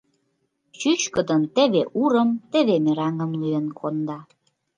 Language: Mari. Чӱчкыдын теве урым, теве мераҥым лӱен конда.